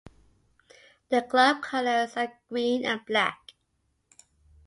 The club colours are green and black.